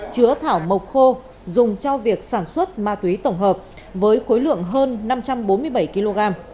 chứa thảo mộc khô dùng cho việc sản xuất ma túy tổng hợp với khối lượng hơn năm trăm bốn mươi bảy kg